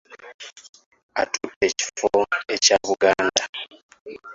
Atutte ekifo ekya Buganda.